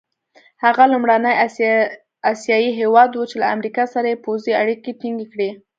هغه لومړنی اسیایي هېواد وو چې له امریکا سره یې پوځي اړیکي ټینګې کړې.